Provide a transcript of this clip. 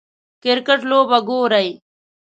کریکټ لوبه ګورئ